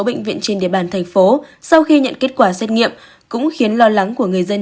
bệnh viện trên địa bàn thành phố sau khi nhận kết quả xét nghiệm cũng khiến lo lắng của người dân